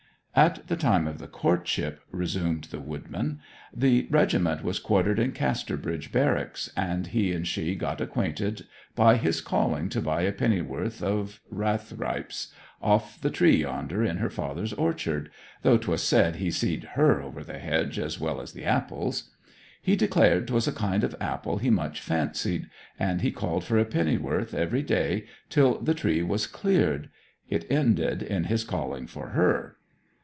'At the time of the courtship,' resumed the woodman, 'the regiment was quartered in Casterbridge Barracks, and he and she got acquainted by his calling to buy a penn'orth of rathe ripes off that tree yonder in her father's orchard though 'twas said he seed her over hedge as well as the apples. He declared 'twas a kind of apple he much fancied; and he called for a penn'orth every day till the tree was cleared. It ended in his calling for her.'